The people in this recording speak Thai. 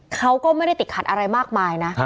เขาก็ไม่ได้ติดขัดอะไรมากมายนะ